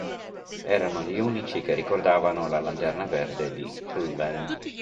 Erano gli unici che ricordavano la Lanterna Verde di H'Iven.